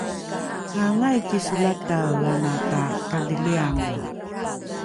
aangai kisolatae ana takadhiliange?